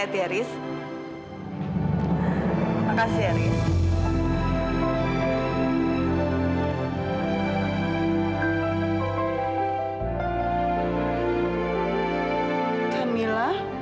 aku pula yakin